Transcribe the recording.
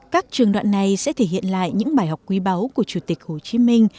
các trường đoạn này sẽ thể hiện lại những bài học quý báu của chủ tịch hồ chí minh